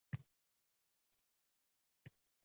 Undan ham ulugim borligin kursin